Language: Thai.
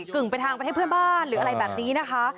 กึ่งเป็นทางไปให้เพื่อนบ้านหรืออะไรแบบนี้นะคะ